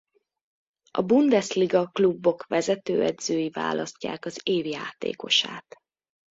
A Bundesliga klubok vezetőedzői választják az év játékosát.